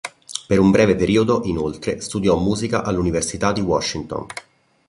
Per un breve periodo inoltre, studiò musica all'Università di Washington.